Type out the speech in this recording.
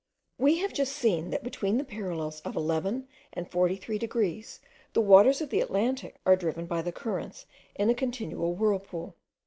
We have just seen that between the parallels of 11 and 43 degrees, the waters of the Atlantic are driven by the currents in a continual whirlpool.